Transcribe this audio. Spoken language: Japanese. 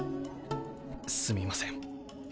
すみません。